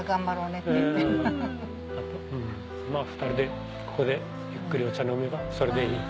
２人でここでゆっくりお茶飲めればそれでいい。